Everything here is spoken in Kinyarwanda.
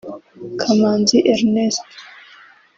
Kamanzi Ernest